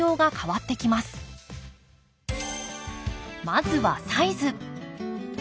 まずはサイズ。